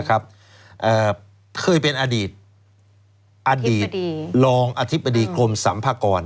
เคยเป็นอดีตอดีตรองอธิบดีกรมสัมภากร